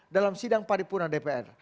dalam sidang paripunan dpr